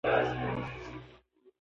جرګمارو ورته وويل خبرې دې خلاصې شوې ؟